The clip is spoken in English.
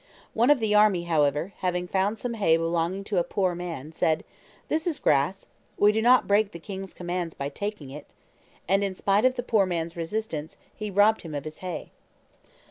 One of the army, however, having found some hay belonging to a poor man, said, 'This is grass; we do not break the king's commands by taking it;' and, in spite of the poor man's resistance, he robbed him of his hay.